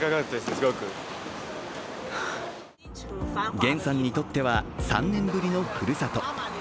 元さんにとっては３年ぶりのふるさと。